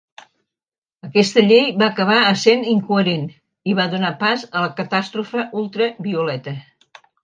Aquesta llei va acabar essent incoherent i va donar pas a la catàstrofe ultra-violeta.